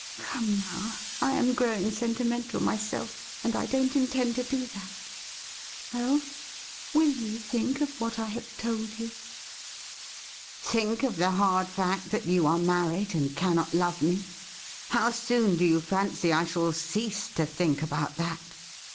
Come, now, I am growing sentimental myself, and I don't intend to do that. Well, will you think of what I have told you .?'' Think of the hard fact that you are mamed, and cannot love me ? How soon do you fancy I shall cease to think about that